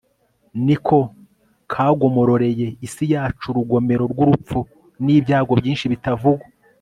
niko kagomororeye isi yacu urugomero rw'urupfu n'ibyago byinshi bitavugwa